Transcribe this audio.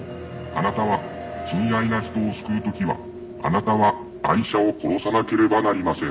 「あなたは親愛な人を救う時はあなたはアイシャを殺さなければなりません」